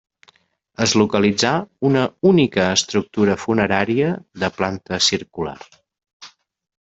Es localitzà una única estructura funerària de planta circular.